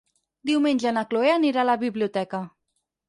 Diumenge na Chloé anirà a la biblioteca.